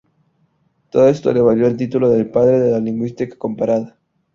Todo esto le valió el título de padre de la Lingüística comparada.